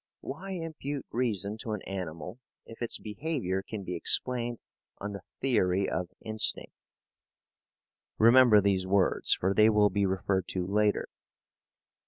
"Why impute reason to an animal if its behaviour can be explained on the theory of instinct?" Remember these words, for they will be referred to later.